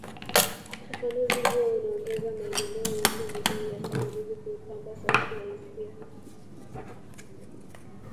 Ufafanuzi huo unaongeza maelezo yote muhimu ya simulizi kuipamba sauti na hisia